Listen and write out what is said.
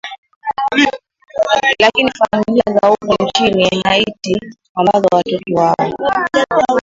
lakini familia za huko nchini haiti ambazo watoto hao